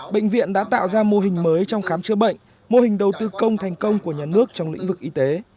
bệnh viện đã tạo ra mô hình mới trong khám chữa bệnh mô hình đầu tư công thành công của nhà nước trong lĩnh vực y tế